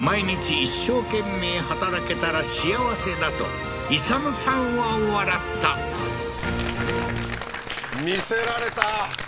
毎日一生懸命働けたら幸せだと勇さんは笑った見せられた！